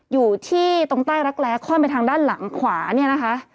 อยู่ที่ตรงใต้รักแร้ค่อนไปทางด้านหลังขวาเนี่ยนะคะ